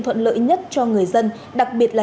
thuận lợi nhất cho người dân đặc biệt là